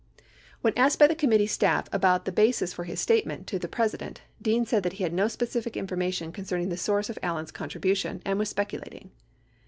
522 When asked by the committee staff about the basis for his statement to the President, Dean said that he had no specific information con cerning the source of Allen's contribution and was speculating.